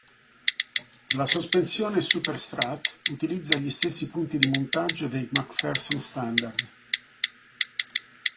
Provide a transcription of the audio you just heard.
La sospensione super strut utilizza gli stessi punti di montaggio dei McPherson standard.